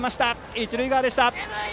一塁側でした。